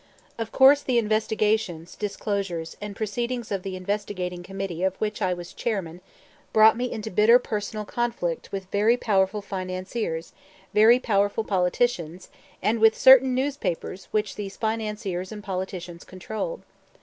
Of course the investigations, disclosures, and proceedings of the investigating committee of which I was chairman brought me into bitter personal conflict with very powerful financiers, very powerful politicians, and with certain newspapers which these financiers and politicians controlled.